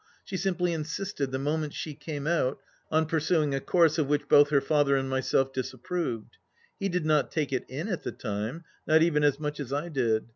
She simply insisted, the moment she came out, on pursuing a course of which both her father and myself disapproved. He did not take it in at the time — not even as much as I did.